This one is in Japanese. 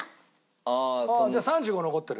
ああじゃあ３５残ってる？